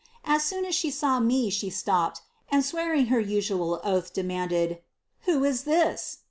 As soon as she saw me she stopped, ani swearing her usual oath, demanded, ' Who ir this